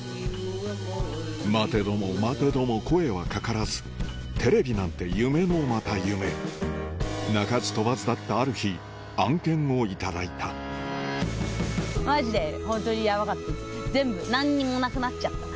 待てども待てども声はかからずテレビなんて夢のまた夢鳴かず飛ばずだったある日案件を頂いた全部何にもなくなっちゃった。